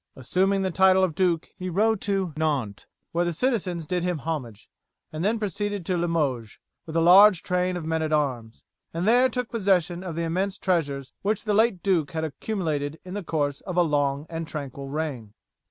Assuming the title of duke he rode to Nantes, where the citizens did him homage, and then proceeded to Limoges with a large train of men at arms, and there took possession of the immense treasures which the late duke had accumulated in the course of a long and tranquil reign.